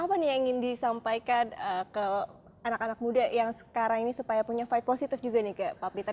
apa nih yang ingin disampaikan ke anak anak muda yang sekarang ini supaya punya vibe positif juga nih ke pak peter